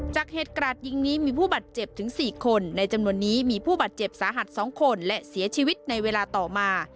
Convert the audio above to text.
จากเหตุกราดยิงนี้มีผู้บาดเจ็บถึง๔คนในจำนวนนี้มีผู้บาดเจ็บสาหัส๒คนและเสียชีวิตในเวลาต่อมา